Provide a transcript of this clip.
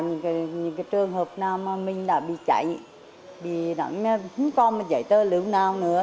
những trường hợp nào mình đã bị chạy không còn giấy tờ lượng nào nữa